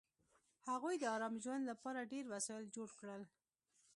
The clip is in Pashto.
هغوی د ارام ژوند لپاره ډېر وسایل جوړ کړل